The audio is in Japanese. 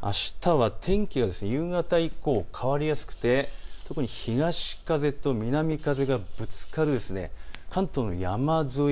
あしたは天気が夕方以降、変わりやすくて特に東風と南風がぶつかる関東の山沿い